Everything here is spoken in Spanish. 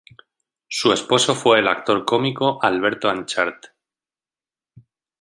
Su esposo fue el actor cómico Alberto Anchart.